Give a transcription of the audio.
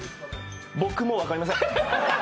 僕も分かりません。